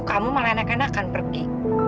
kamu malah enakan enakan pergi